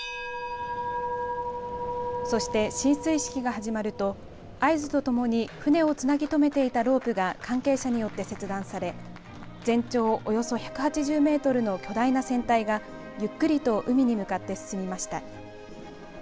そして、進水式が始まると合図とともに船をつなぎとめていたロープが関係者によって切断され全長およそ１８０メートルの巨大な船体が、ゆっくりと海に向かって進みました。